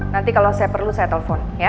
nanti kalau saya perlu saya telepon